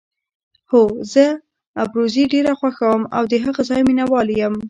هو، زه ابروزي ډېره خوښوم او د هغه ځای مینه وال یم.